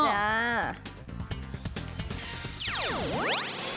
ใช่